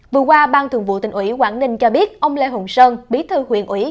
vừa qua bang thượng vụ tỉnh ủy quảng ninh cho biết ông lê hồng sơn bí thư huyện ủy